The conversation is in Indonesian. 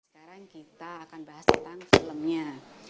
sekarang kita akan bahas tentang filmnya